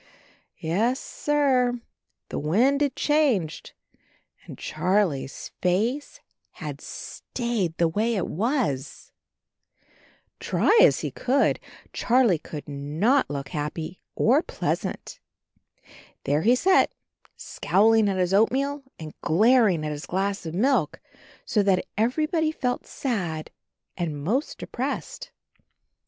Yes, sir — ^the wind had changed and Charlie's face had stayed the way it was ! Try as he could, Charlie could not look happy or pleasant. There he sat, scowling at his oatmeal and glaring at his glass of milk, so that everybody felt sad and most de pressed.